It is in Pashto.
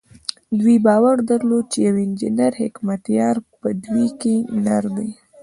دوی باور درلود چې يو انجنير حکمتیار په دوی کې نر دی.